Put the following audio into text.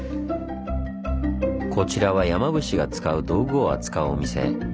こちらは山伏が使う道具を扱うお店。